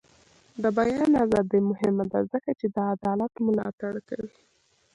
د بیان ازادي مهمه ده ځکه چې د عدالت ملاتړ کوي.